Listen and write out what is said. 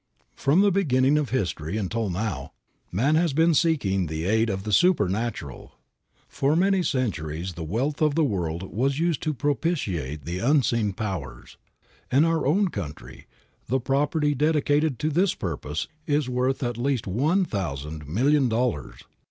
From the beginning of history until now man has been seeking the aid of the supernatural. For many centuries the wealth of the world was used to propitiate the unseen powers. In our own country, the property dedicated to this purpose is worth at least one thousand million dollars.